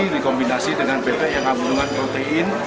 dikombinasi dengan bebek yang ambil dengan protein